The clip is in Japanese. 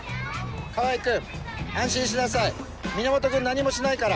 川合君安心しなさい源君何もしないから。